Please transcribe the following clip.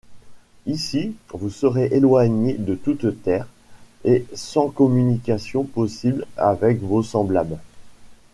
Ici, vous serez éloigné de toute terre, et sans communication possible avec vos semblables.